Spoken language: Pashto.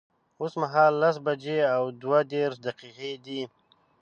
اوس مهال لس بجي او دوه دیرش دقیقی دی